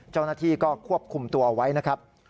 เจ้าหน้าที่ก็ควบคุมตัวเอาไว้นะครับ